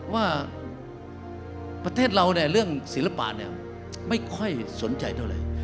ว่าประเทศเราในเรื่องศิลปะไม่ค่อยสนใจเท่าไหร่